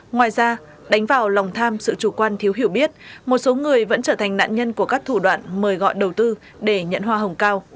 ngoài ra đánh vào lòng tham sự chủ quan thiếu hiểu biết một số người vẫn trở thành nạn nhân của các thủ đoạn mời gọi đầu tư để nhận hoa hồng cao